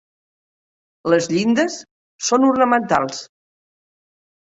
Les llindes són ornamentals.